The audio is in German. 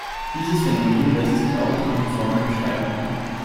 Dieses Phänomen lässt sich auch durch eine Formel beschreiben.